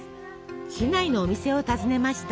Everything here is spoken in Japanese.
市内のお店を訪ねました。